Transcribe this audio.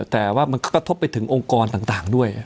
แต่ว่ามันก็กระทบไปถึงองค์กรต่างด้วย